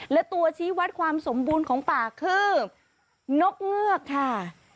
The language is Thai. และตัวชี้วัดความสมบูรณ์ของป่าคือนกเงือกค่ะ